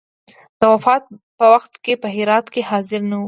د وفات په وخت کې په هرات کې حاضر نه وو.